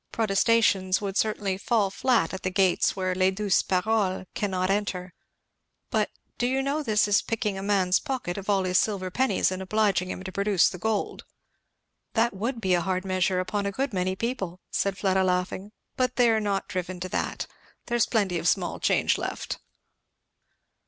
"Protestations would certainly fall flat at the gates where les douces paroles cannot enter. But do you know this is picking a man's pocket of all his silver pennies and obliging him to produce his gold." "That would be a hard measure upon a good many people," said Fleda laughing. "But they're not driven to that. There's plenty of small change left."